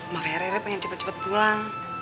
makanya rere pengen cepet cepet pulang